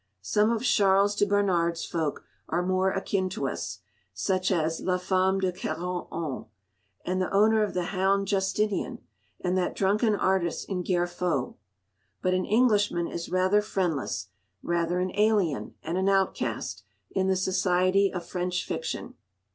Some of Charles de Bernard's folk are more akin to us, such as "La Femme de Quarante Ans," and the owner of the hound Justinian, and that drunken artist in "Gerfaut." But an Englishman is rather friendless, rather an alien and an outcast, in the society of French fiction.